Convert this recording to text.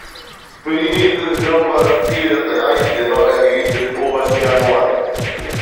Für die nächste Saison war das Ziel das Erreichen der neu eingerichteten Oberliga Nord.